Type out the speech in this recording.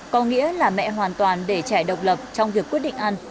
có nghĩa là mẹ hoàn toàn để trẻ độc lập trong việc quyết định ăn